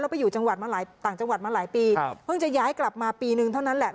เราไปอยู่ต่างจังหวัดมาหลายปีเพิ่งจะย้ายกลับมาปีนึงเท่านั้นแหละ